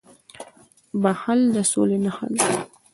• بښل د سولي نښه ده.